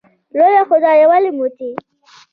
لویه خدایه ولې موټی